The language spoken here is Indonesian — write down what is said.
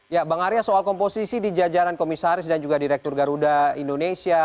ya bang arya soal komposisi di jajaran komisaris dan juga direktur garuda indonesia